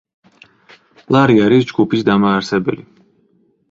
ლარი არის ჯგუფის დამაარსებელი.